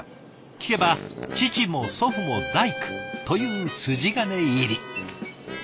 聞けば父も祖父も大工という筋金入り。